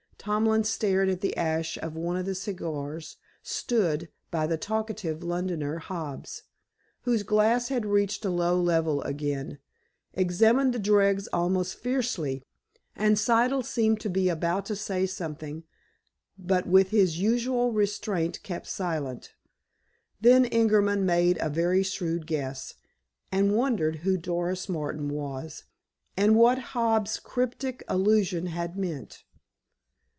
Tomlin stared at the ash of one of the cigars "stood" by this talkative Londoner; Hobbs, whose glass had reached a low level again, examined the dregs almost fiercely; and Siddle seemed to be about to say something, but, with his usual restraint, kept silent. Then Ingerman made a very shrewd guess, and wondered who Doris Martin was, and what Hobbs's cryptic allusion had meant.